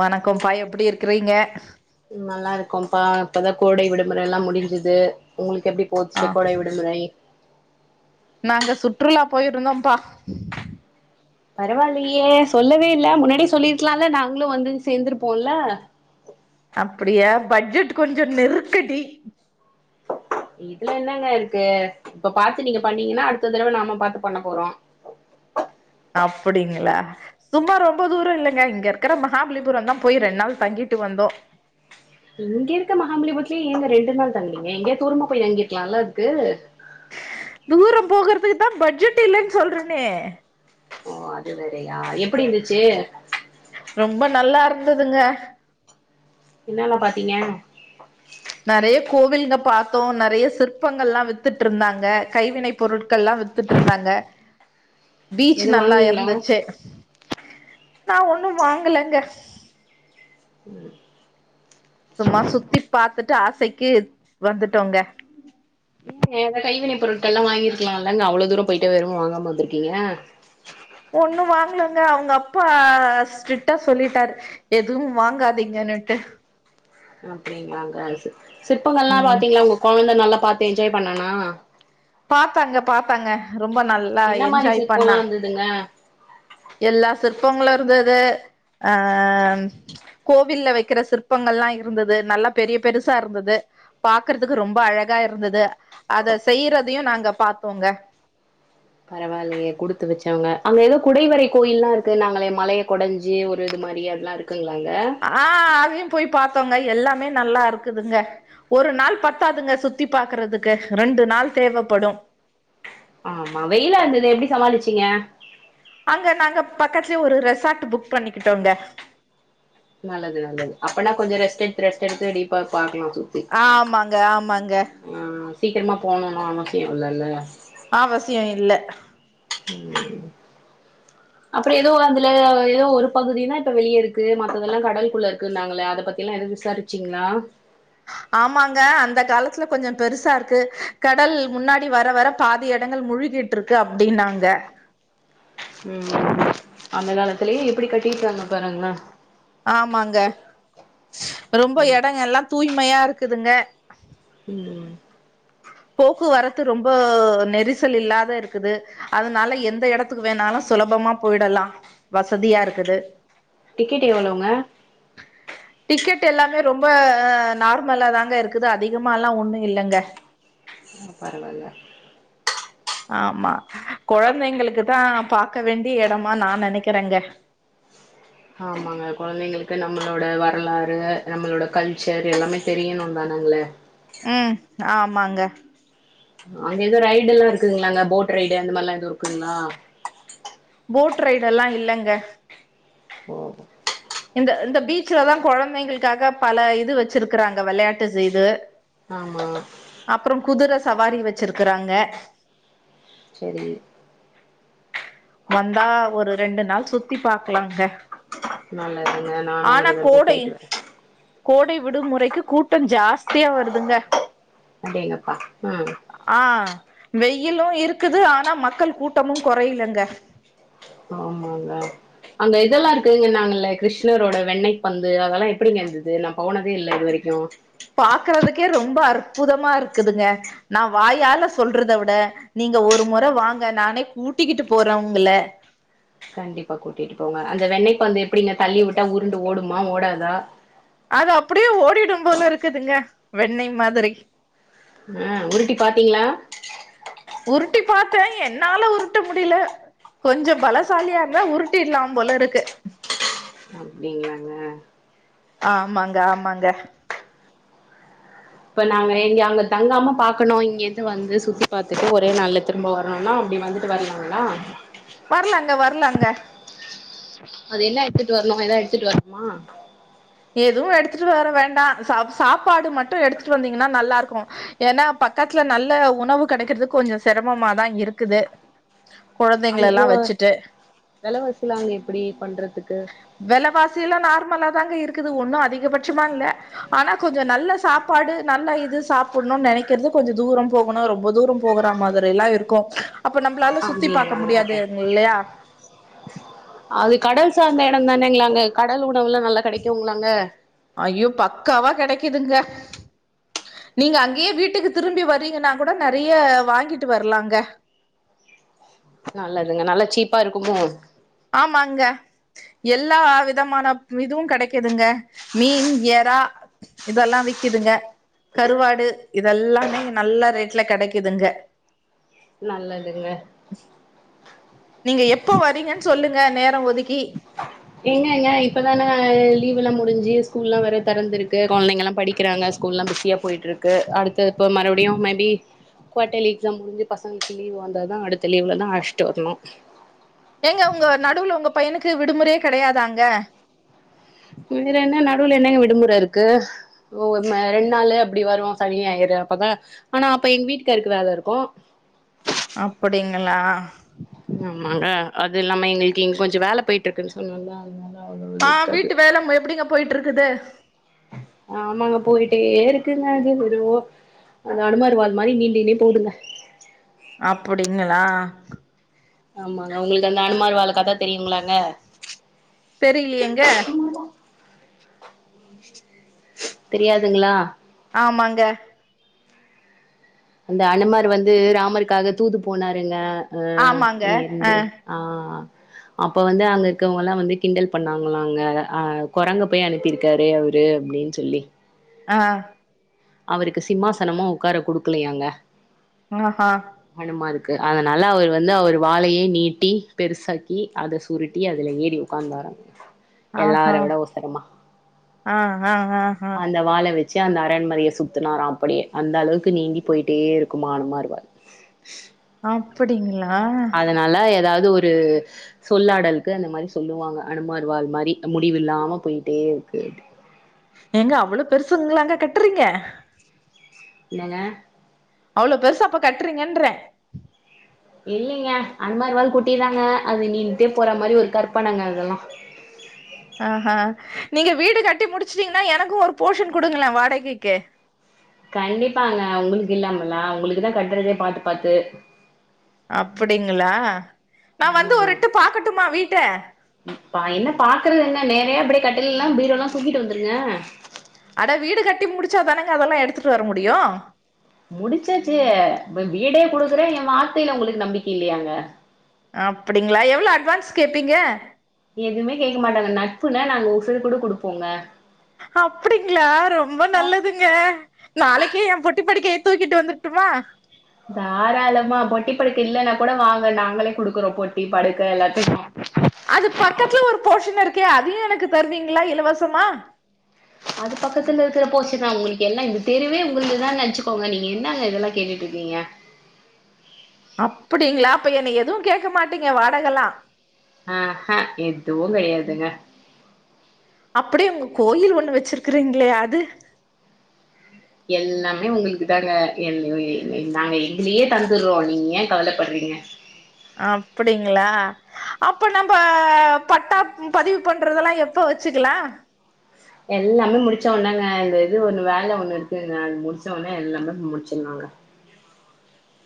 வணக்கம் பா எப்டி இரு கிறீங்க நல்லா இருக்கோம்ப்பா இப்பதா கோடை விடுமுறை எல்லா முடிஞ்சது உங்களுக்கு எப்டி ஆ போச்சு கொடை விடுமுறை நாங்க சுற்றுலா போயிருந்தோம்பா பரவாயில்லயே சொல்லவே இல்ல முன்னாடியே சொல்லிருக்கலாம்ல நாங்களும் வந்து சேர்ந்திருப்போம்ல அப்டியா பட்ஜெட் கொஞ்சம் நெருக்கடி இதுல என்னங்க இருக்கு இப்ப பாத்து நீங்க பண்ணீங்கன்னா அடுத்த தடவை நாம பாத்து பண்ண போறோம் அப்டிங்களா சும்மா ரொம்ப தூரம் இல்லங்க இங்க இருக்கற மகாபலிபுரம் தா போய் ரெண்டு நாள் தங்கிட்டு வந்தோம் இங்க இருக்க மகாமலிபுரத்துலயே ஏங்க ரெண்டு நாள் தங்கிறீங்க எங்கய தூருமா போய் தங்கிக்கலாம்ல்ல அதுக்கு தூரம் போகறதுக்கு தான் பட்ஜெட் இல்லன்னு சொல்றனே ஓ அது வேறையா எப்டி இருந்துச்சு ரொம்ப நல்லா இருந்துதுங்க என்னல்லா பாத்தீங்க நெறைய கோவில்க பாத்தோம் நெறைய சிற்பங்கள் எல்லா வித்துட்டு இருந்தாங்க கைவினை பொருட்கள் எல்லா வித்துட்டு இருந்தாங்க பீச் எது நல்லா வாங்குனீங்களா இருந்துச்சு நா ஒன்னும் வாங்கலங்க ம் சும்மா சுத்தி பாத்து ட்டு ஆசைக்கு வந்துட்டோங்க ஏதாது கைவினை பொருட்கள் எல்லா வாங்கிருக்கலா இல்லங்க அவ்ளோ தூரம் போயிட்டு எதுவு வாங்காம வந்திருக்கீங்க ஒன்னும் வாங்கலங்க அவங்க அப்பா ஸ்ட்ரிக்டா சொல்லிட்டாரு எதுவும் வாங்காதீங்கன்னுட்டு அப்டிங்களாங்க சிற்பங்கள்லாம் ம் பாத்தீங்களா உங்க கொழந்த நல்லா பாத்து என்ஜாய் பண்ணனா பாத்தாங்க பாத்தாங்க ரொம்ப நல்லா என்ன மாரி என்ஜாய் சிற்போல்லா பண்ணான் இருந்ததுங்க எல்லா சிற்பங்களும் இருந்தது ஆ கோவில்ல வைக்கிற சிற்பங்கள்லாம் இருந்தது நல்லா பெரிய பெருசா இருந்தது பாக்குறதுக்கு ரொம்ப அழகா இருந்தது அத செய்றதையும் நாங்க பாத்தோங்க பரவாயில்லயே குடுத்து வச்சவங்க அங்க ஏதோ குடைவரை கோயில் எல்லா இருக்கு நாங்களே மலையை குடைஞ்சு ஒரு இது மாரி அதெல்லா இருக்க ஆ அதையும் போய் பாத் தோங்க எல்லாமே நல்லா இருக்குதுங்க ஒரு நாள் பத்தாதுங்க சுத்தி பாக்குறதுக்கு ரெண்டு நாள் தேவைப்படும் ஆமா வெயில இருந்ததே எப்டி சமாளிச்சீங்க அங்க நாங்க பக்கத்துலயே ஒரு ரெசார்ட் புக் பண்ணிக்கிட்டோங்க நல்லது நல்லது அப்பனா கொஞ்ச ரெஸ்ட் எடுத்து ரெஸ்ட் எடுத்து டீப்பா பாக்கலாம் ஆமாங்க ஆமாங்க சீக்கிரமா போனும்னு எல்லா அவசியம் இல்ல இல்ல அவசியோ இல்ல ம் அப்றோ ஏதோ அதுல ஏதோ ஒரு பகுதினா இப்ப வெளிய இருக்கு மத்ததெல்லாம் கடலுக்குள்ள இருக்குன்னாங்களே அதை பத்தி எல்லா ஏதும் விசாரிச்சீங்களா ஆமாங்க அந்த காலத்துல கொஞ்சம் பெருசா இருக்கு கடல் முன்னாடி வர வர பாதி இடங்கள் மூழ்கிட்டு இருக்கு அப்டின்னாங்க ம் அந்த காலத்திலயே எப்டி கட்டிருங்கா பாருங்களேன் ஆமாங்க ரொம்ப இடங்கள் எல்லா தூய் மையா இருக்குதுங்க ம் ம் போக்குவரத்து ரொம்ப நெரிசல் இல்லாத இருக்குது அதனால எந்த எடத்துக்கு வேணாலு சுலபமா போயிடலா வசதியா இருக்குது டிக்கெட் எவ்ளோங்க டிக்கெட் எல்லாமே ரொம்ப நார்மலா தாங்க இருக்குது அதிகமா எல்லா ஒண்ணு இல்லங்க ம் பரவாயில்ல ஆமா கொழந்தைங்களுக்குதா பாக்க வேண்டிய எடமா நா நெனைக்கிறேங்க ஆமாங்க கொழந்தைங்களுக்கு நம்மளோட வரலாறு நம்மளோட கல்ச்சர் எல்லாமே தெரியணுதானங்களே ம் ஆமாங்க அங்க எதோ ரயிடுல்லா இருக்குங்களா அங்க போட் ரயிடு அந்த மாரிலா எதுவு இருக்குங்களா போட் ரைடு எல்லா இல்லங்க ஓ இந்த இந்த பீச்சலதா கொழந்தைங்களுக்காக பல இது வச்சிருக்கறாங்க வெளையாட்டு செய்து ஆமா அப்புறோ குதிரச சவாரி வச்சிருக்கறாங்க சேரி வந்தா ஒரு ரெண்டு நாள் சுத்தி பாக்கலாங்க நல்லதுங்க நானு ஆனா ஒரு தடவ கோடை போயிட்டு வரே கோடை விடுமுறைக்கு கூட்டம் ஜாஸ் த்தியா வருதுங்க அடேங்ப்பா ஆ வெயிலும் இருக்குது ஆனா மக்கள் கூட்டமும் கொறையிலங்க ஆமாங்க அங்க இதெல்லா இருக்குதுங்க நாங்கல்ல கிருஷ்ணரோட வெண்ணெய் பந்து அதெல்லா எப்பிடிங்க இருந்தது நா போனதே இல்ல இது வரைக்கு பாக்குறதுக்கே ரொம்ப அற்புதமா இருக்குதுங்க நா வாயால சொல்றத விட நீங்க ஒரு முற வாங்க நானே கூட்டிக்கிட்டு போறே உங்கள கண்டிப்பா கூட்டிட்டு போங்க அந்த வெண்ணெய் பந்து வந்து எப்பிடிங்க தள்ளிவுட்டா உருண்டு ஓடுமா ஓடாதா அது அப்பிடியே ஓடிடு போல இருக்குதுங்க வெண்ணெய் மாதிரி ஆ உருட்டி பாத்தீங்களா உருட்டி பாத்தே என்னால உருட்ட முடியல கொஞ்சோ பலசாலியா இருந்தா உருட்டிடலா போல இருக்கு அப்பிடிங்களாங்க ஆமாங்க ஆமாங்க இப்ப நாங்க இங்க அங்க தங்காம பாக்கணு இங்கேது வந்து சுத்தி பாத்துட்டு ஒரே நாள் திரும்ப வரணுன்னா அப்பிடி வந்துட்டு வரலாங்களா வரலாங்க வரலாங்க அது என்ன எடுத்துட்டு வரணு ஏதா எடுத்துட்டு வரணுமா எதுவு எடுத்துட்டு வர வேண்டா சப் சாப்பாடு மட்டு எடுத்துட்டு வந்தீங்கன்னா நல்லா இருக்கு ஏன்னா பக்கத்துல நல்ல உணவு கெடைக்கறதுக்கு கொஞ்சோ சிரமமாதா இருக்குது கொழந்தைங்கள அங்க எல்லா ஏதோ வச்சிட்டு வெலவாசிலா அங்க எப்டி பண்றதுக்கு வெலவாசி எல்லா நார்மலா த்தாங்க இருக் க்குது ஒன்னு அதிகபட்சமா இல்ல ஆனா கொஞ்சோ நல்ல சாப்பாடு நல்ல இது சாப்புணுன்னு நெனைக்கிறோ கொஞ்ச தூரோ போகணு ரொம்ப தூரோ போகற மாதிரி எல்லா இருக்கு அப்பிடிங்களாக அது கடல் சார் இந்த எடோ தானேங்களாங்க கடல் உணவுல்லா நல்லா கெடைக்குங்களாங்க அய்யோ பக்காவா கெடைக்குதுங்க நீங்க அங்கயே வீட்டுக்கு திரும்பி வரீங்கன்னா கூட நெறைய வாங்கிட்டு வரலாங்க நல்லதுங்க நல்லா சீப்பா இருக்குமோ ஆமாங்க எல்லா விதமான இதுவு கெடைக்குதுங்க மீன் எறா இதெல்லா விக்குதுங்க கருவாடு இதெல்லாமே இங்க நல்ல ரேட்டுல கெடைக்குதுங்க நல்லதுங்க நீங்க எப்ப வரீங்கன் சொல்லி க நேர ஒதுதிக் எங்க எங்க இப்பதானோ லீவ் எல்லா முடிஞ்சி இங்கயே ஸ்கூலா வேற திறந்தருக்கு கொழந்தைங்கள்லா படிக்கிறாங்க ஸ்கூலா பிஸியாக போயிட்டுருக்கு அடுத்த இப்போ மறுபடியும் மேபி குவ்டர்லி எக்ஸாம் முடிஞ்சு பசங்களுக்கு லீவ் வந்தா தா அடுத்த லீவவில் தா அழைச்சிட்டு வரணு எங்க உங்க நடுவில உங்க பையனுக் [unintelligible] விடுமுறையே கிடையாதாங்க வேற என்ன நடுவுல என்னங்க விடுமுற இருக்கு [unintelligible] ரெண்டு நாளு அப்படி வரு சனிய ஞாயிரு அப்பதா ஆனா அப்ப எங்க வீட்டுக்காருக்கு வேல இருக்கு அப்படிங்களா ஆ ஆமாங்க அது இல்லாம எங்களுக்கு இங்க கொஞ்சோ வேல போயிட்டு இருக்குன்னு சொன்ன அதனால அவ்ளோ இது ஆ இருக்காது வீட்டு வேல எப்படிங்க போயிட்டு இருக்குது ஆமாங்க போயிட்டே இருக்குங்க அது மெதுவா அது அனுமன் வாலு மாரி அது நீண்டுகிட்டே போகுந்துக ஆ ஆமாங்க உங்களுக்கு அந்த அனுமார் வாலு கத தெரியுங்களாங்க தெரியலையேங்க தெரியாதுங்களா ஆமாங்க அந்த அனுமர் வந்து ராமருக்காக தூது போனாருங்க ஆ இங்க இருந்து ஆ அப்ப வந்து அங்க இருக்கவங்க எல்லா வந்து கிண்டல் பண்ணாங்களாங்க ஆ குரங்க போய் அனுப்பியிருக்காரு அவரு அப்படின்னு சொல்லி ஆ அவருக்கு சிம்மாசனமு உக்கார குடுக்கலையாங்க ஆ ஆ க்கு அதனால அவர் வந்து அவர் வாலயோ நீட்டி பெருசாக்கி அத சுருட்டி அதுல ஏறி உக்காந்தாரா எல்லார ஆஹா விட உசரமா ஆ ஆ ஆ ஆ அந்த வால வச் ச்சி அந்த அரண்மனையை சுத்தினாரா அப்படியே அந்த அளவுக்கு நீண்டி போயிட்டே இருக்குமா அனுமார் வால் அப்படிங்களா அதனால ஏதாவது அது ஒரு சொல்லாடலுக்கு அந்த மாரி சொல்லுவாங்க அனுமர்வால் மாரி முடிவு இலாம போயிட்டே இருக்கு எங்க அவ்வளோ பெருசுங்களாங்க கட்டுறீங்க என்னங்க அவ்ளோ பெருசா அப்ப கட்டுறீங்கன்றே இல்லைங்க அந்த மாரி வாள் குட்டிதாங்க அது நீன்டுட்டே போற மாதிரி ஒரு கற்பனங்க அதெல்லாம் ஆஹ நீங்க வீடு கட்டி முடிச்சிட்டீங்கன்னா எனக்கும் ஒரு போஷன் குடுங்களே வாடகைக்கு கண்டிப்பாங்க உங்களுக்கு இல்லாமல்லா உங்களுக்குதா கட்டறதே பாத்து பாத்து அப்டிங்களா நான் வந்து ஒரு ஆமாங்க எட்டு பாக்கட்டுமா வீட்ட அப்டே கட்டுலல்லாம் பீரோல்லாம் தூக்கிட்டு வந்துருங்க அட வீடு கட்டி முடிச்சாதானங்க அதெல்லாம் எடுத்துட்டு வர முடியும் முடிச்சாச்சி வீ வீடே குடுக்கறே என் வார்த்தையில உங்களுக்கு நம்பிக்கை இல்லையாங்க அப்டிங்களா எவ்ளோ அட்வான்ஸ் கேப்பீங்க எதுமே கேக்க மாட்டாங்க நட்புன்னா நாங்க உசுரு கூட குடுப்போங்க அப்டிங்களா ரொம்ப நல்லதுங்க நாளைக்கே என் பொட் டி படிக்கய தூக்கிட்டு வந்துருட்டுமா தாராளமா பொட்டி படுக்க இல்லன்னா கூட வாங்க நாங்களே குடுக்குறோம் பொட்டி படுக்க எல்லாத்தையும் அது பக்கத்துல ஒரு போஷன் இருக்கே அதியும் எனக்கு தருவீங்களா இலவசமா அது பக்கத்துல இருக்கிற போஷன்தா உங்களுக்கு எல்லா இந்த தெருவே உங்களுதான் நெனச்சிக்கோங்க நீங்க என்னங்க இதெல்லாம் கேட்டுட்டு இருக்கீங்க அப்டிங்களா அப்ப என்ன எதுவும் கேக்க மாட்டீங்க வாடகலாம் ஆஹ எதுவும் கெடயாதுங்க அப்படே உங்க கோயில் ஒண்ணு வச்சிருக்கறீங்களே அது எல்லாமே உங்களுக்கு தாங்க என்ன உலி நாங்க எங்களயே தந்துறோம் நீங்க ஏன் கவலப்படறீங்க அப்டிங்களா அப்ப நம்போ பட்டா பதிவு பண்றதெல்லாம் எப்ப வச்சிக்கிலா எல்லாமே முடிச்ச உனங்க இந்த இது ஒண்ணு வேல ஒண்ணு இருக்குங்க அத முடிச்ச ஒன்னே எல்லாமே முடிச்சிருலாங்க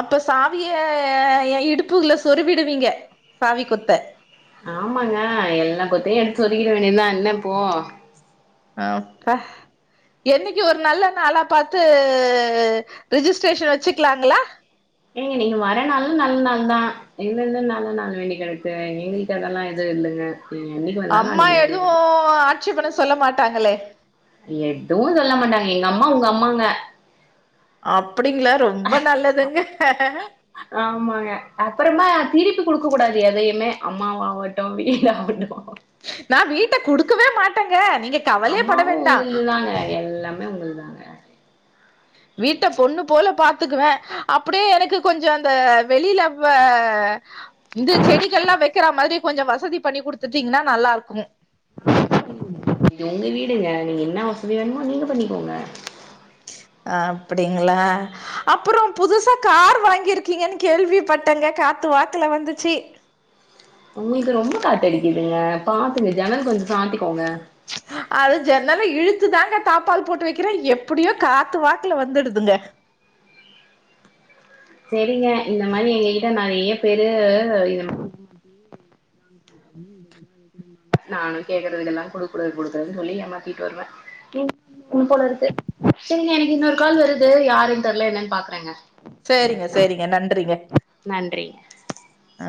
அப்ப சாவிய என் இடுப்புக்குல சொருவிடுவீங்க சாவி கொத்த ஆமாங்க எல்லா கொத்தையும் எடுத்து சொறிகிட வேண்டியதுதா என்ன இப்போ அக்கா என்னக்கி ஒரு நல்ல நாளா பாத்து ரிஜிஸ்ட்ரேஷன் வச்சிக்கலாங்களா ஏங்க நீங்க வர நாள்லா நல்ல நாள் தா இதுல என்ன நல்ல நாளு வேண்டி கெடக்கு எங்களுக்கு அதெல்லா எதும் இல்லங்க அம்மா எதுவும் ஆட்சி பண்ண சொல்ல மாட் டாங்களே எதுவும் சொல்ல மாட்டாங்க எங்க அம்மா உங்க அம்மாங்க அப்டிங்களா ரொம்ப நல்லதுங்க ஆமாங்க அப்புறமா திருப்பி குடுக்க கூடாது எதையுமே அம்மாவாகட்டும் வீடாயாகட்டும் நான் வீட்ட குடுக்கவே மாட் அம்மாவும் உங்களுதுதாங்க எல்லா மே உங்கள்தாங்க வீட்ட பொண்ணு போல பாத்துக்குவே அப்டே எனக்கு கொஞ்சம் அந்த வெளில இப்ப இந்த செடிகள்லாம் வெக்கிற மாதிரி கொஞ்சோ வ சதி பண்ணி குடுத்துட்டீங்கன்னா நல்லா இருக்கும் இது உங்க வீடுங்க நீங்க என்ன வசதி வேணுமோ நீங்க பண்ணிக்கோங்க அப்டிங்களா அப்றோ புதுசா கார் வாங்கிருக்கீங்கன்னு கேள்விப்பட்டேங்க காத்து வாக்குல வந்துச்சு உங்களுக்கு ரொம்ப காத்தடிக்குதுங்க பாத்துங்க ஜன்னல் கொஞ்சோ சாத்திக்கோங்க அது ஜன்னல இழுத்துதாங்க தாப்பால் போட்டுவக்கிறேன் எப்டியோ காத்து வாக்குல வந்துடுதுங்க செரிங்க இந்த மாரி எங்க கிட்ட நெறைய பேரு நானும் கேக்குறதுக்கு எல்லா குடுக்க கூடாது குடுக்கக்கூடாதுன்னு சொல்லிட்டு ஏமாத்திட்டு வருவேன் எனக்கு இன்னொரு கால் வருது யாரன்னு தெரல என்னன்னு பாக்குறேங்க செரிங்க செரிங்க நன்றிங்க நன்றிங்க ஆ